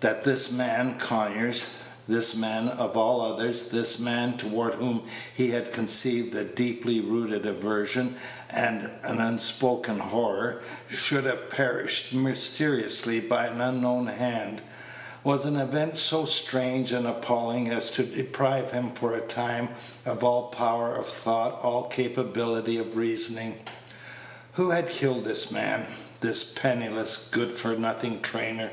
That this man Conyers this man of all others, this man toward whom he had conceived a deeply rooted aversion, an unspoken horror should have perished mysteriously by an unknown hand, was an event so strange and appalling as to deprive him for a time of all power of thought, all capability of reasoning. Who had killed this man this penniless, good for nothing trainer?